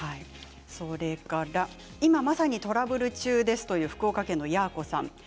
それから、まさにトラブル中ですという福岡県の方です。